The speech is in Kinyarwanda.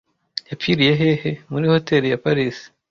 yapfiriye hehe - muri hoteri ya Paris